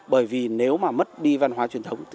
bởi vì nếu mà mất đi văn hóa truyền thống